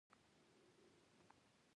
خو چې ګودر کښې مې سر ورښکته کړو